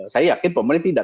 saya yakin pemerintah tidak